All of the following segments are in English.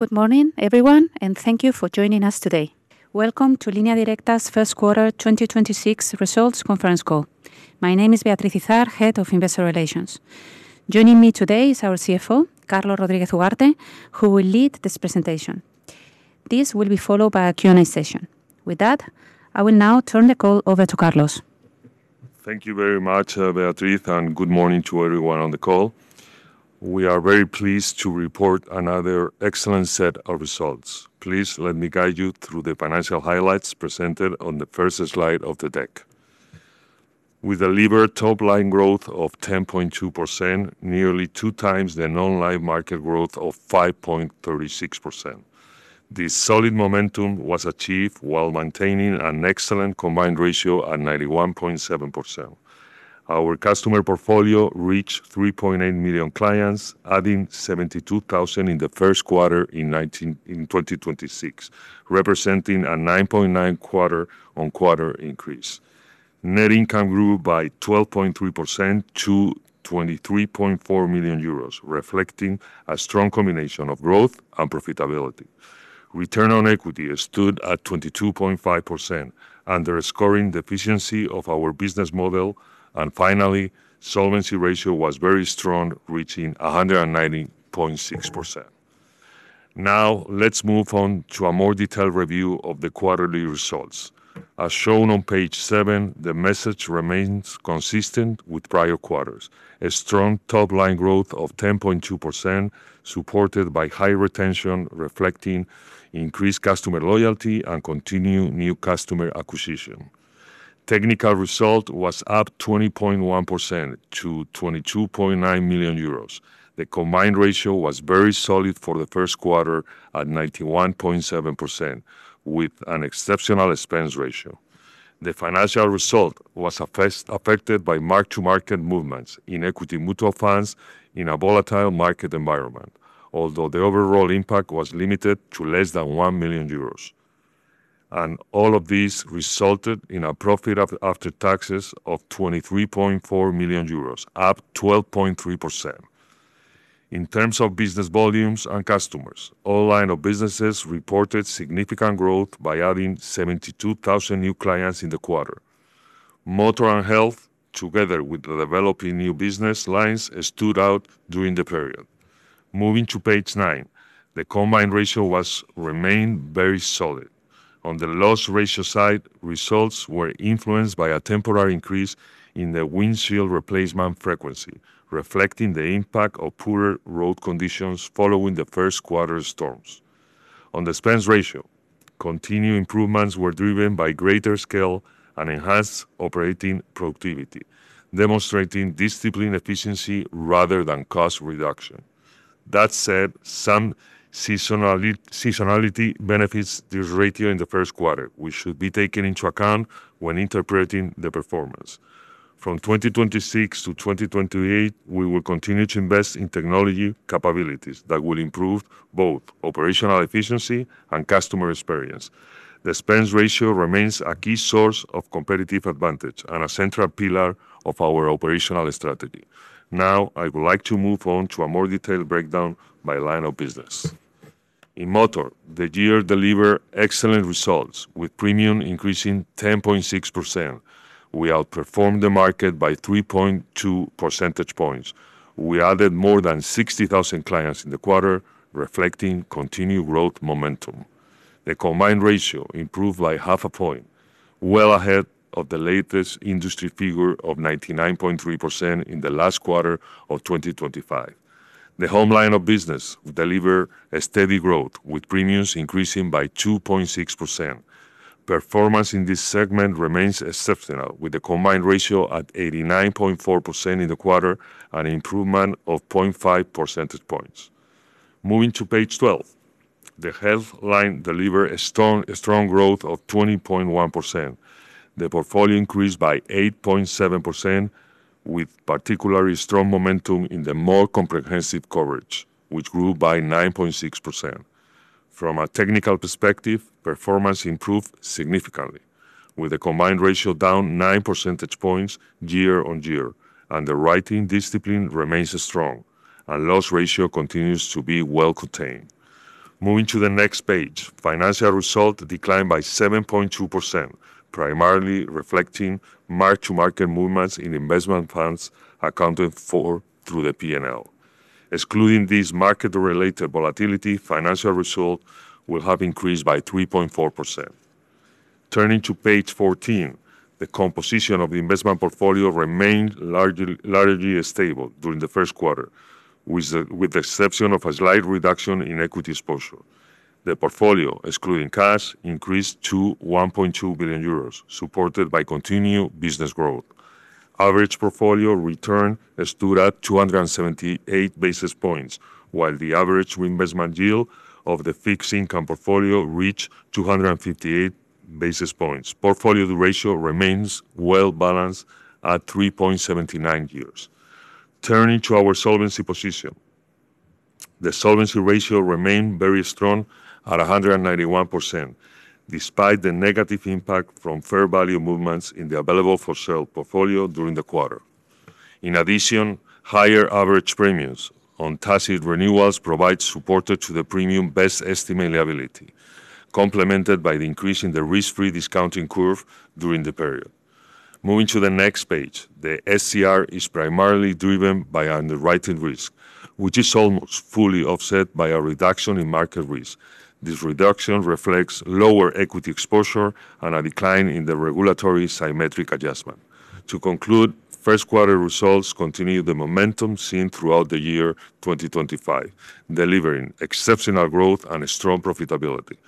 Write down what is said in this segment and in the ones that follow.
Good morning, everyone, and thank you for joining us today. Welcome to Línea Directa's first quarter 2026 results conference call. My name is Beatriz Izard, Head of Investor Relations. Joining me today is our CFO, Carlos Rodríguez Ugarte, who will lead this presentation. This will be followed by a Q&A session. With that, I will now turn the call over to Carlos. Thank you very much, Beatriz, and good morning to everyone on the call. We are very pleased to report another excellent set of results. Please let me guide you through the financial highlights presented on the first slide of the deck. We delivered top-line growth of 10.2%, nearly two times the non-life market growth of 5.36%. This solid momentum was achieved while maintaining an excellent combined ratio at 91.7%. Our customer portfolio reached 3.8 million clients, adding 72,000 in the first quarter in 2026, representing a 9.9 quarter-on-quarter increase. Net income grew by 12.3% to 23.4 million euros, reflecting a strong combination of growth and profitability. Return on equity stood at 22.5%, underscoring the efficiency of our business model. Finally, solvency ratio was very strong, reaching 190.6%. Now, let's move on to a more detailed review of the quarterly results. As shown on page seven, the message remains consistent with prior quarters. Strong top-line growth of 10.2%, supported by high retention, reflecting increased customer loyalty and continued new customer acquisition. Technical result was up 20.1% to 22.9 million euros. The combined ratio was very solid for the first quarter at 91.7% with an exceptional expense ratio. The financial result was affected by mark-to-market movements in equity mutual funds in a volatile market environment, although the overall impact was limited to less than 1 million euros. All of this resulted in a profit after taxes of 23.4 million euros, up 12.3%. In terms of business volumes and customers, all lines of business reported significant growth by adding 72,000 new clients in the quarter. Motor and Health, together with the developing new business lines, stood out during the period. Moving to page 9, the combined ratio remained very solid. On the loss ratio side, results were influenced by a temporary increase in the windshield replacement frequency, reflecting the impact of poorer road conditions following the first quarter storms. On the expense ratio, continued improvements were driven by greater scale and enhanced operating productivity, demonstrating disciplined efficiency rather than cost reduction. That said, some seasonality benefits this ratio in the first quarter, which should be taken into account when interpreting the performance. From 2026 to 2028, we will continue to invest in technology capabilities that will improve both operational efficiency and customer experience. The expense ratio remains a key source of competitive advantage and a central pillar of our operational strategy. Now, I would like to move on to a more detailed breakdown by line of business. In Motor, the year delivered excellent results, with premiums increasing 10.6%. We outperformed the market by 3.2 percentage points. We added more than 60,000 clients in the quarter, reflecting continued growth momentum. The combined ratio improved by half a point, well ahead of the latest industry figure of 99.3% in the last quarter of 2025. The Home line of business delivered a steady growth, with premiums increasing by 2.6%. Performance in this segment remains exceptional, with the combined ratio at 89.4% in the quarter, an improvement of 0.5 percentage points. Moving to page 12, the Health line delivered a strong growth of 20.1%. The portfolio increased by 8.7%, with particularly strong momentum in the more comprehensive coverage, which grew by 9.6%. From a technical perspective, performance improved significantly, with the combined ratio down nine percentage points year-on-year. Underwriting discipline remains strong, and loss ratio continues to be well contained. Moving to the next page, financial result declined by 7.2%, primarily reflecting mark-to-market movements in investment funds accounted for through the P&L. Excluding this market-related volatility, financial result will have increased by 3.4%. Turning to page 14, the composition of the investment portfolio remained largely stable during the first quarter, with the exception of a slight reduction in equity exposure. The portfolio, excluding cash, increased to 1.2 billion euros, supported by continued business growth. Average portfolio return stood at 278 basis points, while the average reinvestment yield of the fixed income portfolio reached 258 basis points. Portfolio ratio remains well balanced at 3.79 years. Turning to our solvency position. The solvency ratio remained very strong at 191%, despite the negative impact from fair value movements in the available for sale portfolio during the quarter. In addition, higher average premiums on tacit renewals provide support to the premium best estimate liability, complemented by the increase in the risk-free discounting curve during the period. Moving to the next page, the SCR is primarily driven by underwriting risk, which is almost fully offset by a reduction in market risk. This reduction reflects lower equity exposure and a decline in the regulatory symmetric adjustment. To conclude, first quarter results continue the momentum seen throughout the year 2025, delivering exceptional growth and strong profitability.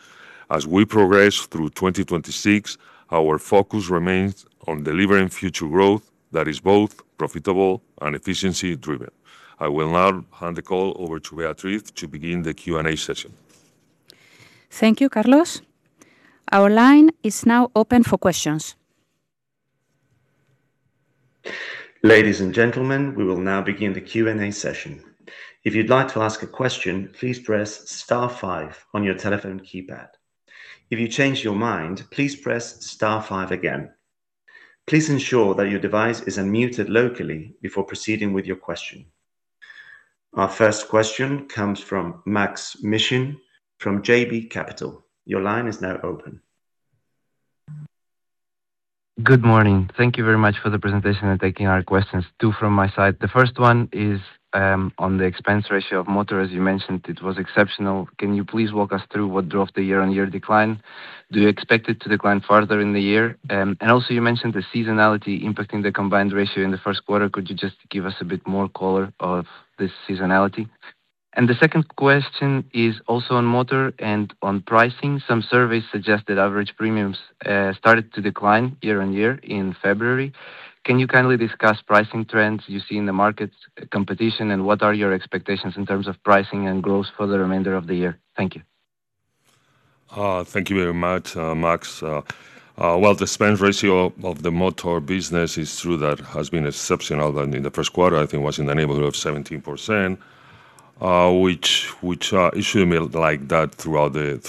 As we progress through 2026, our focus remains on delivering future growth that is both profitable and efficiency-driven. I will now hand the call over to Beatriz to begin the Q&A session. Thank you, Carlos. Our line is now open for questions. Ladies and gentlemen, we will now begin the Q&A session. If you'd like to ask a question, please press star five on your telephone keypad. If you change your mind, please press star five again. Please ensure that your device is unmuted locally before proceeding with your question. Our first question comes from Maksym Mishyn from JB Capital. Your line is now open. Good morning. Thank you very much for the presentation and taking our questions. Two from my side. The first one is on the expense ratio of motor. As you mentioned, it was exceptional. Can you please walk us through what drove the year-on-year decline? Do you expect it to decline further in the year? And also you mentioned the seasonality impacting the combined ratio in the first quarter. Could you just give us a bit more color of this seasonality? The second question is also on motor and on pricing. Some surveys suggest that average premiums started to decline year-on-year in February. Can you kindly discuss pricing trends you see in the market competition, and what are your expectations in terms of pricing and growth for the remainder of the year? Thank you. Thank you very much, Maks. Well, the expense ratio of the motor business is true that it has been exceptional in the first quarter, I think it was in the neighborhood of 17%, which it should be like that throughout the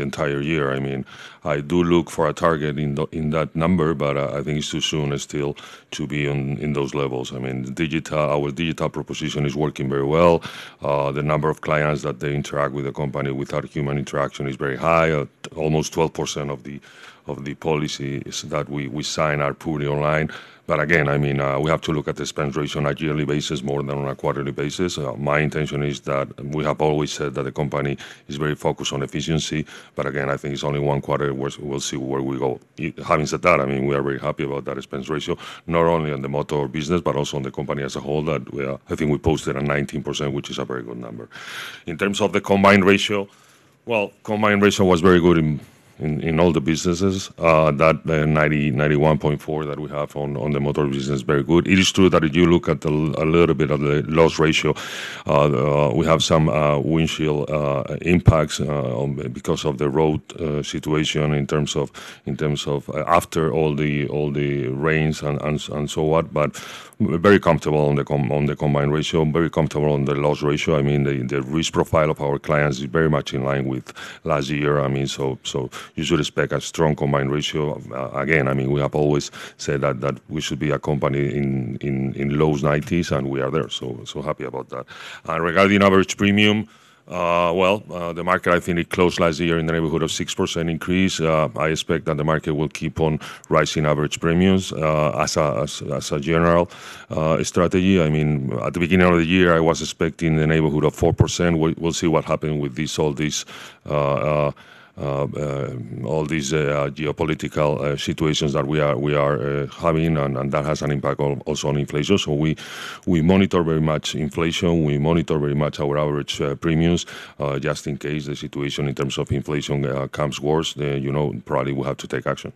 entire year. I mean, I do look for a target in that number, but I think it's too soon still to be in those levels. I mean, our digital proposition is working very well. The number of clients that they interact with the company without human interaction is very high. Almost 12% of the policies that we sign are purely online. Again, I mean, we have to look at the expense ratio on a yearly basis more than on a quarterly basis. My intention is that we have always said that the company is very focused on efficiency, but again, I think it's only one quarter. We'll see where we go. Having said that, I mean, we are very happy about that expense ratio, not only on the motor business, but also on the company as a whole. I think we posted a 19%, which is a very good number. In terms of the combined ratio, well, combined ratio was very good in all the businesses. That 91.4 that we have on the motor business is very good. It is true that if you look at a little bit of the loss ratio, we have some windshield impacts because of the road situation in terms of after all the rains and so on. We're very comfortable on the combined ratio, very comfortable on the loss ratio. I mean, the risk profile of our clients is very much in line with last year. I mean, you should expect a strong combined ratio. I mean, we have always said that we should be a company in low 90s, and we are there. Happy about that. Regarding average premium, the market, I think it closed last year in the neighborhood of 6% increase. I expect that the market will keep on rising average premiums, as a general strategy. I mean, at the beginning of the year, I was expecting the neighborhood of 4%. We'll see what happen with all these geopolitical situations that we are having and that has an impact also on inflation. We monitor very much inflation. We monitor very much our average premiums, just in case the situation in terms of inflation comes worse, then, you know, probably we'll have to take action.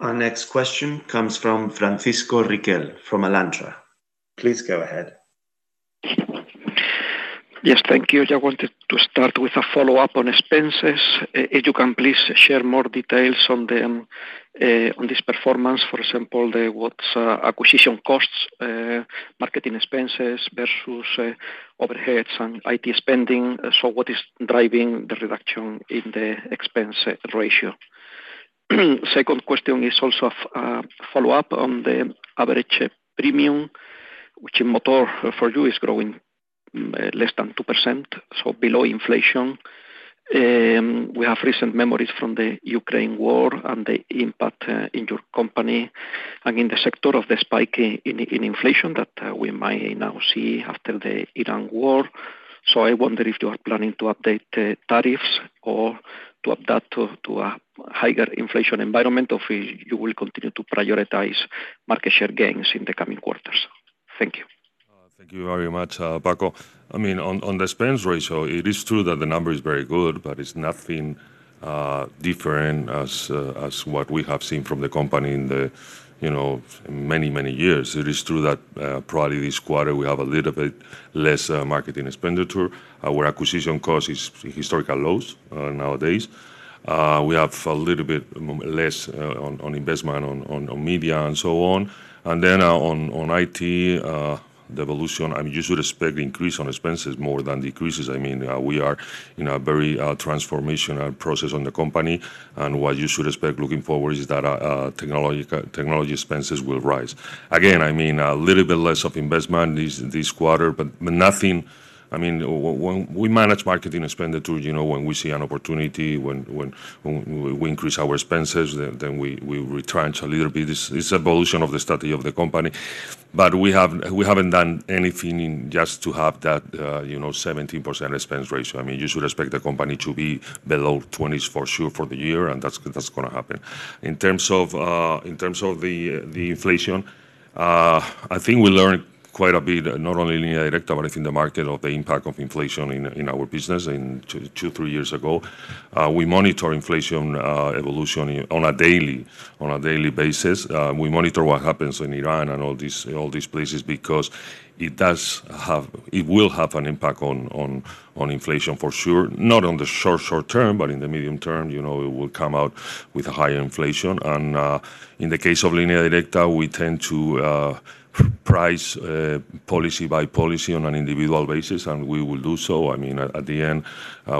Our next question comes from Francisco Riquel from Alantra. Please go ahead. Yes, thank you. I wanted to start with a follow-up on expenses. If you can please share more details on this performance. For example, what is acquisition costs, marketing expenses versus overheads and IT spending. What is driving the reduction in the expense ratio? Second question is also a follow-up on the average premium, which in motor for you is growing less than 2%, so below inflation. We have recent memories from the Ukraine war and the impact in your company and in the sector of the spike in inflation that we might now see after the Iran war. I wonder if you are planning to update the tariffs or to adapt to a higher inflation environment, or if you will continue to prioritize market share gains in the coming quarters. Thank you. Thank you very much, Riquel. I mean, on the expense ratio, it is true that the number is very good, but it's nothing different as what we have seen from the company in the, you know, many, many years. It is true that, probably this quarter we have a little bit less marketing expenditure. Our acquisition cost is historical lows nowadays. We have a little bit less on investment on media and so on. Then, on IT development, I mean, you should expect increase on expenses more than decreases. I mean, we are in a very transformational process on the company, and what you should expect looking forward is that technology expenses will rise. I mean, a little bit less of investment this quarter, but nothing. I mean, when we manage marketing expenditure, you know, when we see an opportunity, when we increase our expenses, then we retrench a little bit. This is evolution of the strategy of the company. But we haven't done anything just to have that 17% expense ratio. You know, you should expect the company to be below 20% for sure for the year, and that's gonna happen. In terms of the inflation, I think we learned quite a bit, not only at Línea Directa, but I think the market of the impact of inflation in our business in two, three years ago. We monitor inflation evolution on a daily basis. We monitor what happens in Iran and all these places because it does have it will have an impact on inflation for sure. Not on the short term, but in the medium term, you know, it will come out with higher inflation. In the case of Línea Directa, we tend to price policy by policy on an individual basis, and we will do so. I mean, at the end,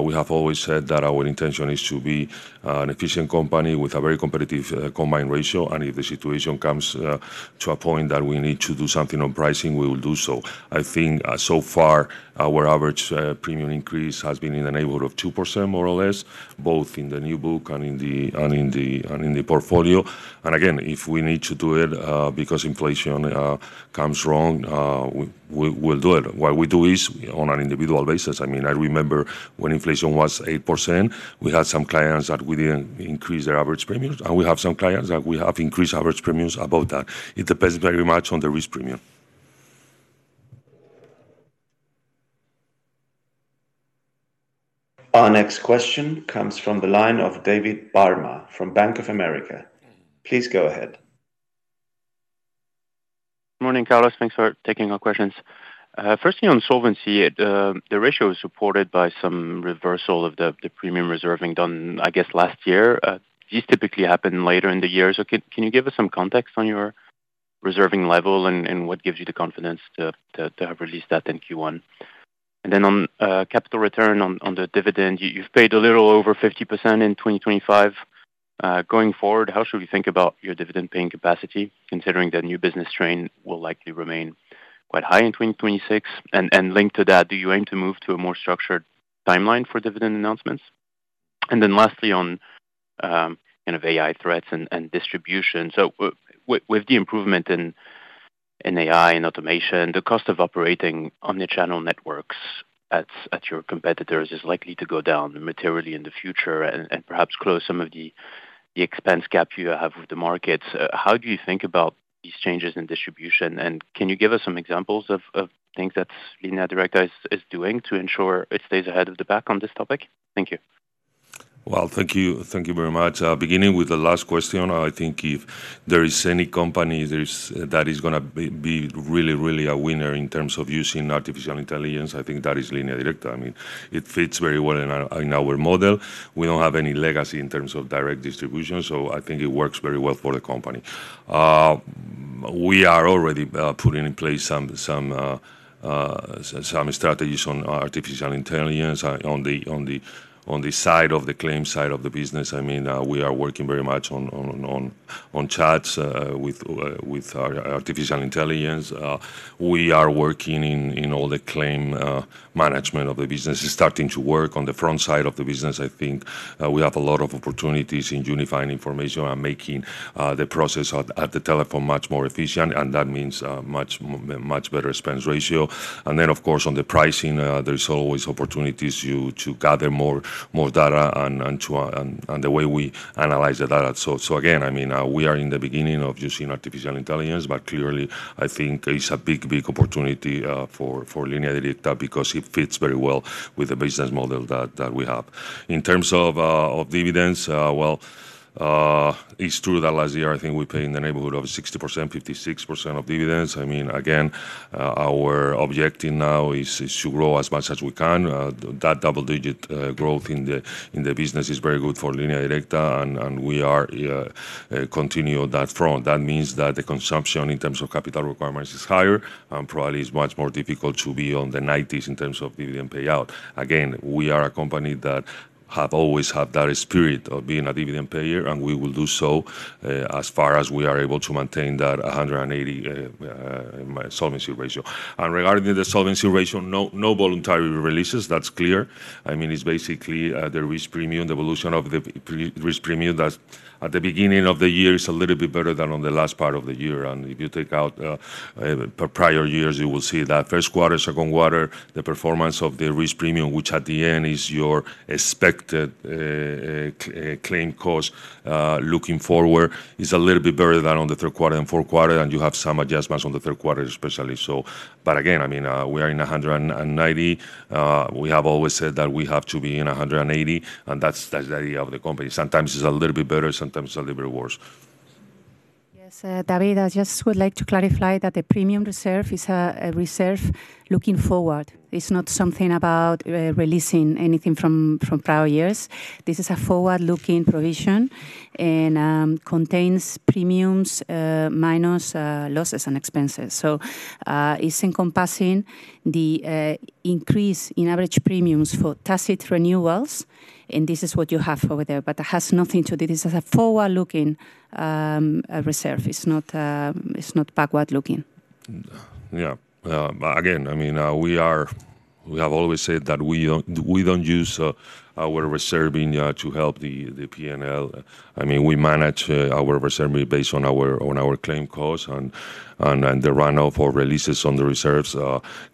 we have always said that our intention is to be an efficient company with a very competitive combined ratio. If the situation comes to a point that we need to do something on pricing, we will do so. I think so far our average premium increase has been in the neighborhood of 2% more or less, both in the new book and in the portfolio. Again, if we need to do it because inflation comes wrong, we'll do it. What we do is on an individual basis. I mean, I remember when inflation was 8%, we had some clients that we didn't increase their average premiums, and we have some clients that we have increased average premiums above that. It depends very much on the risk premium. Our next question comes from the line of David Barma from Bank of America. Please go ahead. Morning, Carlos. Thanks for taking our questions. Firstly, on solvency, the ratio is supported by some reversal of the premium reserving done, I guess, last year. These typically happen later in the year. Can you give us some context on your reserving level and what gives you the confidence to have released that in Q1? Then on capital return on the dividend, you've paid a little over 50% in 2025. Going forward, how should we think about your dividend paying capacity, considering that new business trend will likely remain quite high in 2026? Linked to that, do you aim to move to a more structured timeline for dividend announcements? Then lastly on kind of AI threats and distribution. With the improvement in AI and automation, the cost of operating omni-channel networks at your competitors is likely to go down materially in the future and perhaps close some of the expense gap you have with the markets. How do you think about these changes in distribution, and can you give us some examples of things that Línea Directa is doing to ensure it stays ahead of the pack on this topic? Thank you. Well, thank you. Thank you very much. Beginning with the last question, I think if there is any company that is gonna be really a winner in terms of using artificial intelligence, I think that is Línea Directa. I mean, it fits very well in our model. We don't have any legacy in terms of direct distribution, so I think it works very well for the company. We are already putting in place some strategies on artificial intelligence on the side of the claims side of the business. I mean, we are working very much on chats with our artificial intelligence. We are working in all the claims management of the business. It's starting to work on the front side of the business. I think we have a lot of opportunities in unifying information and making the process at the telephone much more efficient, and that means much better expense ratio. Then, of course, on the pricing, there's always opportunities to gather more data and the way we analyze the data. Again, I mean, we are in the beginning of using artificial intelligence, but clearly, I think there is a big opportunity for Línea Directa because it fits very well with the business model that we have. In terms of dividends, well, it's true that last year, I think we paid in the neighborhood of 60%, 56% of dividends. I mean, again, our objective now is to grow as much as we can. That double-digit growth in the business is very good for Línea Directa, and we continue on that front. That means that the consumption in terms of capital requirements is higher, and probably it's much more difficult to be in the 90s in terms of dividend payout. Again, we are a company that have always had that spirit of being a dividend payer, and we will do so, as far as we are able to maintain that 180 solvency ratio. Regarding the solvency ratio, no voluntary releases, that's clear. I mean, it's basically the risk premium, the evolution of the risk premium that at the beginning of the year is a little bit better than on the last part of the year. If you take out prior years, you will see that first quarter, second quarter, the performance of the risk premium, which at the end is your expected claim cost looking forward, is a little bit better than on the third quarter and fourth quarter, and you have some adjustments on the third quarter especially so. But again, I mean, we are in 190%. We have always said that we have to be in 180%, and that's the idea of the company. Sometimes it's a little bit better, sometimes a little bit worse. Yes, David, I just would like to clarify that the premium reserve is a reserve looking forward. It's not something about releasing anything from prior years. This is a forward-looking provision and contains premiums minus losses and expenses. It's encompassing the increase in average premiums for tacit renewals, and this is what you have over there. It has nothing to do. This is a forward-looking reserve. It's not backward-looking. Yeah. Again, I mean, we have always said that we don't use our reserving to help the P&L. I mean, we manage our reserving based on our claim costs, and the runoff or releases on the reserves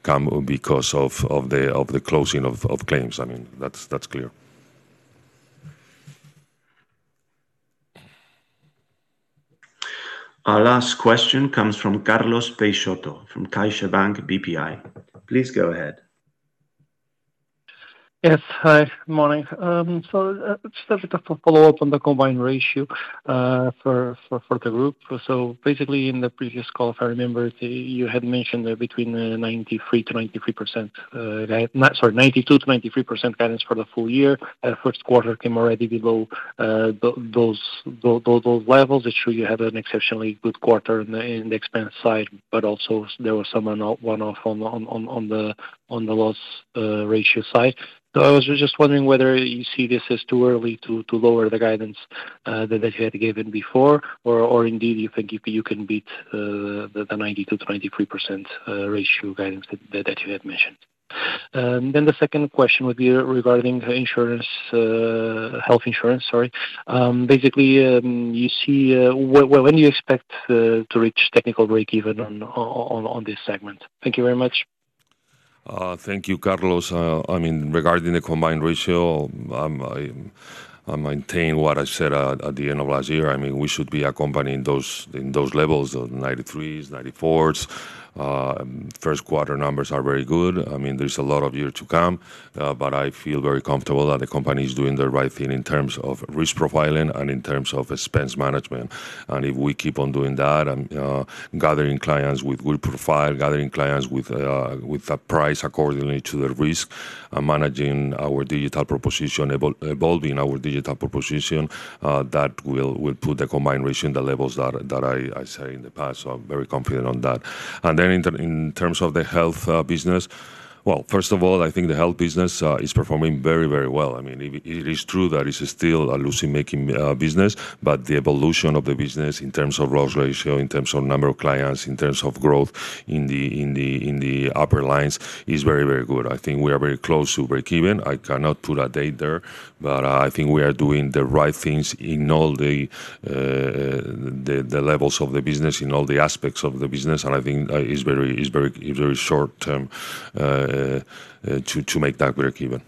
come because of the closing of claims. I mean, that's clear. Our last question comes from Carlos Peixoto from CaixaBank BPI. Please go ahead. Yes. Hi. Morning. Just a follow-up on the combined ratio for the group. Basically, in the previous call, if I remember, you had mentioned between 92%-93% guidance for the full year. First quarter came already below those levels. It's true you had an exceptionally good quarter in the expense side, but also there was some one-off on the loss ratio side. I was just wondering whether you see this as too early to lower the guidance that you had given before? Or indeed you think you can beat the 92%-93% ratio guidance that you had mentioned? The second question would be regarding insurance, health insurance, sorry. Basically, you see, when do you expect to reach technical breakeven on this segment? Thank you very much. Thank you, Carlos. I mean, regarding the combined ratio, I maintain what I said at the end of last year. I mean, we should be accompanying those in those levels of 93s, 94s. First quarter numbers are very good. I mean, there's a lot of year to come, but I feel very comfortable that the company is doing the right thing in terms of risk profiling and in terms of expense management. If we keep on doing that and gathering clients with good profile, with a price accordingly to the risk, and managing our digital proposition, evolving our digital proposition, that will put the combined ratio in the levels that I say in the past. I'm very confident on that. In terms of the health business, well, first of all, I think the health business is performing very, very well. I mean, it is true that it's still a loss-making business, but the evolution of the business in terms of loss ratio, in terms of number of clients, in terms of growth in the upper lines is very, very good. I think we are very close to breakeven. I cannot put a date there, but I think we are doing the right things in all the levels of the business, in all the aspects of the business, and I think it is very short-term to make that breakeven.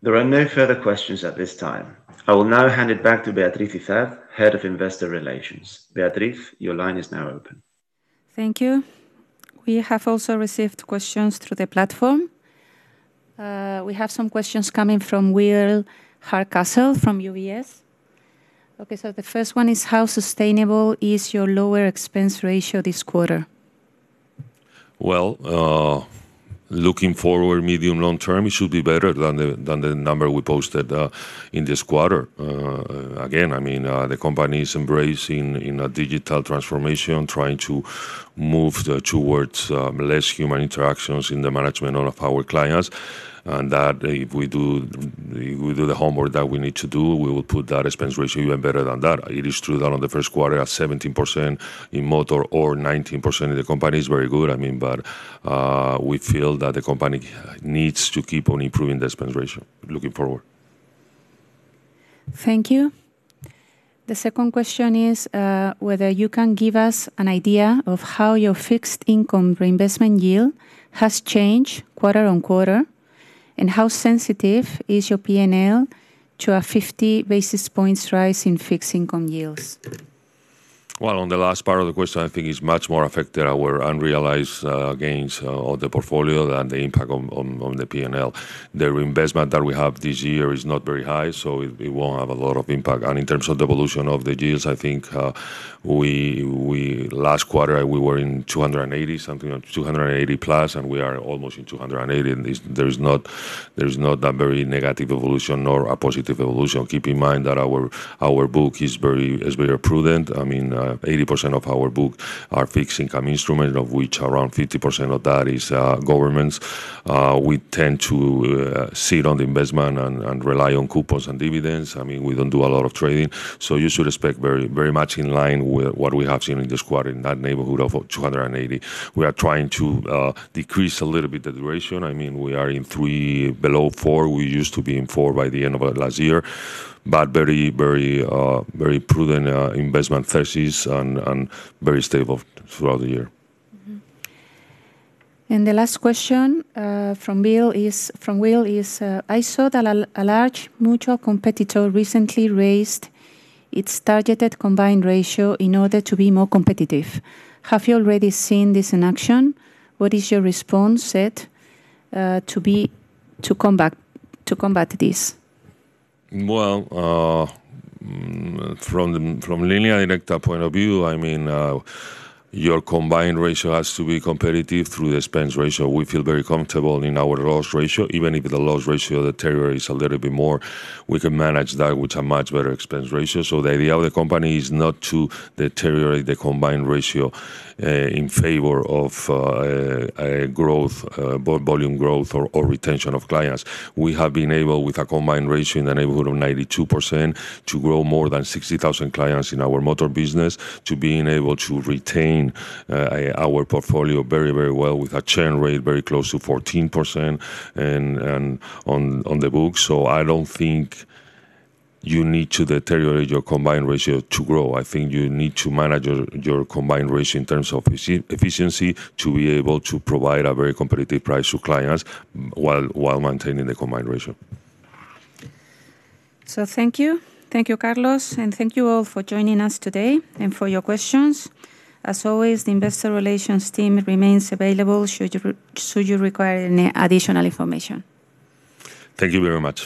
There are no further questions at this time. I will now hand it back to Beatriz Izard, Head of Investor Relations. Beatriz, your line is now open. Thank you. We have also received questions through the platform. We have some questions coming from Will Hardcastle from UBS. The first one is: How sustainable is your lower expense ratio this quarter? Well, looking forward medium/long term, it should be better than the number we posted in this quarter. Again, I mean, the company is embracing in a digital transformation, trying to move towards less human interactions in the management of our clients, and that if we do the homework that we need to do, we will put that expense ratio even better than that. It is true that on the first quarter, at 17% in motor or 19% of the company is very good, I mean, but we feel that the company needs to keep on improving the expense ratio looking forward. Thank you. The second question is whether you can give us an idea of how your fixed income reinvestment yield has changed quarter-on-quarter, and how sensitive is your P&L to a 50 basis points rise in fixed income yields? Well, on the last part of the question, I think it's much more affected our unrealized gains of the portfolio than the impact on the P&L. The reinvestment that we have this year is not very high, so it won't have a lot of impact. In terms of the evolution of the yields, I think, last quarter we were in 280 something, 280+, and we are almost in 280, and there is not a very negative evolution nor a positive evolution. Keep in mind that our book is very prudent. I mean, 80% of our book are fixed income instrument, of which around 50% of that is governments. We tend to sit on the investment and rely on coupons and dividends. I mean, we don't do a lot of trading. You should expect very much in line with what we have seen in this quarter, in that neighborhood of 280. We are trying to decrease a little bit the duration. I mean, we are in three, below four. We used to be in four by the end of last year. Very prudent investment thesis and very stable throughout the year. Mm-hmm. The last question from Will is: I saw that a large mutual competitor recently raised its targeted combined ratio in order to be more competitive. Have you already seen this in action? What is your response set to be to combat this? From Línea Directa point of view, I mean, your combined ratio has to be competitive through the expense ratio. We feel very comfortable in our loss ratio, even if the loss ratio deteriorate a little bit more, we can manage that with a much better expense ratio. The idea of the company is not to deteriorate the combined ratio in favor of growth, volume growth or retention of clients. We have been able, with a combined ratio in the neighborhood of 92%, to grow more than 60,000 clients in our motor business, to being able to retain our portfolio very, very well with a churn rate very close to 14% and on the books. I don't think you need to deteriorate your combined ratio to grow. I think you need to manage your combined ratio in terms of efficiency to be able to provide a very competitive price to clients while maintaining the combined ratio. Thank you. Thank you, Carlos, and thank you all for joining us today and for your questions. As always, the investor relations team remains available should you require any additional information. Thank you very much.